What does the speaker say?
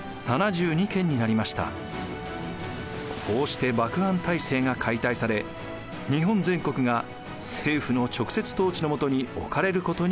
こうして幕藩体制が解体され日本全国が政府の直接統治のもとに置かれることになったのです。